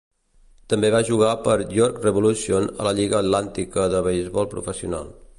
També va jugar per a York Revolution a la Lliga atlàntica de beisbol professional.